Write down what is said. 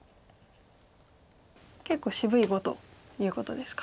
結構渋い碁ということですか。